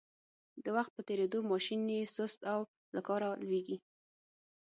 د وخت په تېرېدو ماشین یې سست او له کاره لویږي.